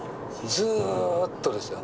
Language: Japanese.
ずーっとですよ。